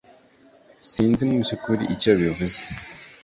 Sinzi mubyukuri icyo bivuze